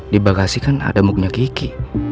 di bagasi kan ada muknya geki